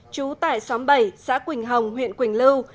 trú tại xóm bảy xã quỳnh hồng huyện quỳnh lưu